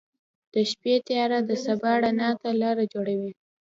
• د شپې تیاره د سبا رڼا ته لاره جوړوي.